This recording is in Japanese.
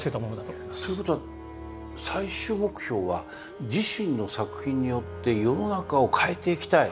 ということは最終目標は自身の作品によって「世の中を変えていきたい。